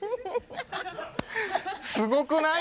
すごくない？